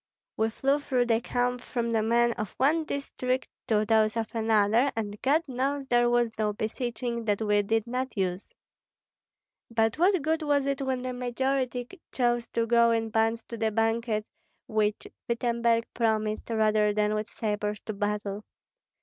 We flew through the camp from the men of one district to those of another, and God knows there was no beseeching that we did not use. But what good was it when the majority chose to go in bonds to the banquet which Wittemberg promised, rather than with sabres to battle?